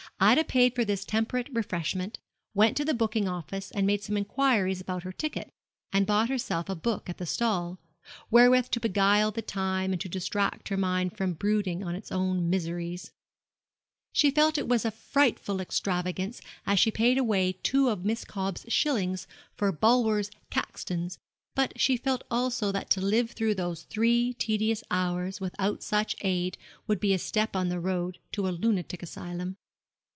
Ida paid for this temperate refreshment, went to the booking office, made some inquiries about her ticket, and bought herself a book at the stall, wherewith to beguile the time and to distract her mind from brooding on its own miseries. She felt it was a frightful extravagance as she paid away two of Miss Cobb's shillings for Bulwer's 'Caxtons;' but she felt also that to live through those three tedious hours without such aid would be a step on the road to a lunatic asylum.